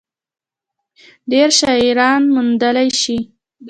ډېره شاعري موندلے شي ۔